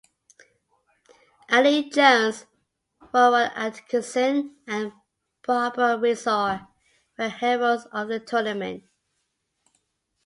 Aled Jones, Rowan Atkinson and Barbara Windsor were heralds of the tournament.